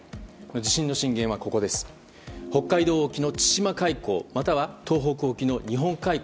地震の震源は北海道沖の千島海溝または東北沖の日本海溝。